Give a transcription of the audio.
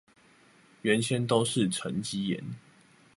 原先都是沈積岩